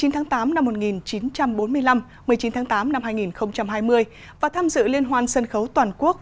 một mươi tháng tám năm một nghìn chín trăm bốn mươi năm một mươi chín tháng tám năm hai nghìn hai mươi và tham dự liên hoan sân khấu toàn quốc